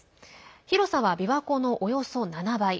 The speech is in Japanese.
広さは、琵琶湖のおよそ７倍。